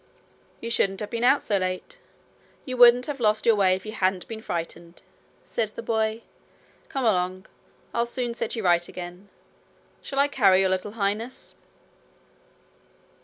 'You shouldn't have been out so late. You wouldn't have lost your way if you hadn't been frightened,' said the boy. 'Come along. I'll soon set you right again. Shall I carry your little Highness?'